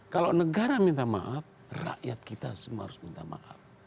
kalau negara minta maaf rakyat kita semua harus minta maaf